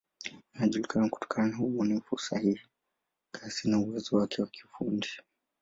Anajulikana kutokana na ubunifu, usahihi, kasi na uwezo wake wa kiufundi.